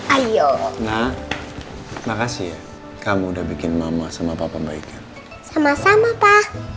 ayo makasih kamu udah bikin mama sama papa baik sama sama